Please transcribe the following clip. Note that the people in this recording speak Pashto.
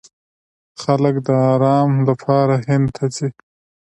خلک د ارام لپاره هند ته ځي.